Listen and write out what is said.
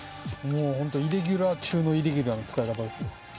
もう本当、イレギュラー中のイレギュラーの使い方ですよ。